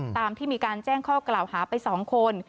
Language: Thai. ตามที่มีการแจ้งข้อกล่าวหาไป๒คน